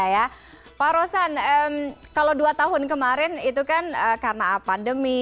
yang diberikan pansy